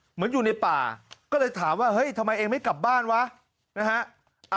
อยู่ในป่าก็เลยถามว่าเฮ้ยทำไมเองไม่กลับบ้านวะนะฮะ